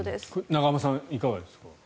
永濱さん、いかがですか？